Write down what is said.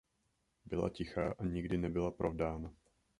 Byla tichá a nikdy nebyla provdána.